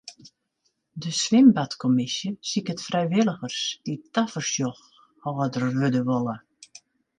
De swimbadkommisje siket frijwilligers dy't tafersjochhâlder wurde wolle.